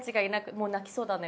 もう泣きそうだね